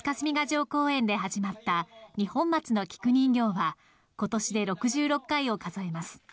城公園で始まった、二本松の菊人形は、ことしで６６回を数えます。